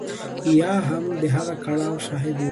یا هم د هغه د کړاو شاهد واوسو.